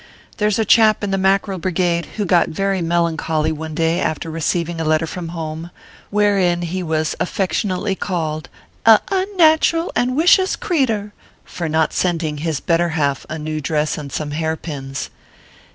There s a chap in the Mackerel Brigade who got very melancholy one day after receiving a letter from home, wherein he was affectionately called " a unnatural and wicious crec tur" for not sending his better half a new dress and some hair pins.